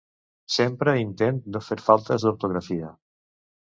Sempre intent no fer faltes d'ortografia.